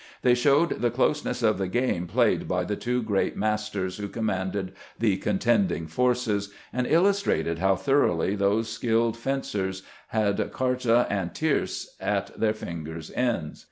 They showed the closeness of the game played by the two great masters who commanded the contend ing forces, and illustrated how thoroughly those skilled fencers had carte and tierce at their fingers' ends.